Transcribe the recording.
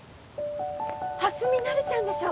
蓮見なるちゃんでしょ